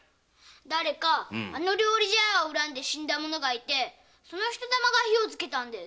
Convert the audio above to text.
誰かあの料理茶屋を恨んで死んだ者がいてその人魂が火を付けたんです。